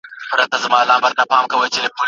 د نصیب تږی پیدا یم له خُمار سره مي ژوند دی